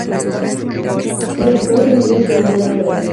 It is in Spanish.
Recording, Inc de manera gratuita.